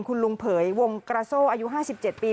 คุณลุงเผยวงกระโซ่อายุ๕๗ปี